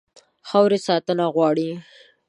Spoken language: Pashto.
خاوره ساتنه غواړي.